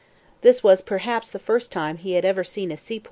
This was perhaps the first time he had ever seen a sea port.